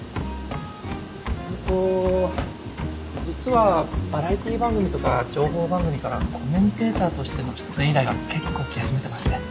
それと実はバラエティー番組とか情報番組からコメンテーターとしての出演依頼が結構来始めてまして。